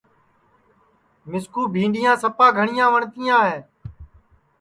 مِسکُو بھینٚڈؔیاں سپا گھٹؔیاں وٹؔتیاں ہے